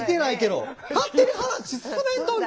勝手に話進めんといて。